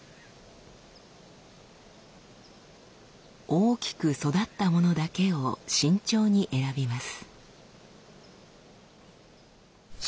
大きく育ったものだけを慎重に選びます。